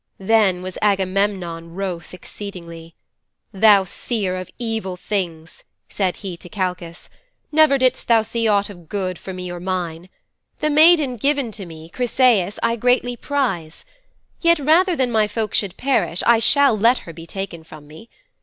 'Then was Agamemnon wroth exceedingly. "Thou seer of things evil," said he to Kalchas, "never didst thou see aught of good for me or mine. The maiden given to me, Chryseis, I greatly prize. Yet rather than my folk should perish I shall let her be taken from me.